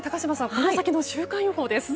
この先の週間予報です。